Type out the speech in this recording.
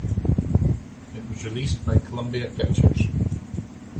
It was released by Columbia Pictures.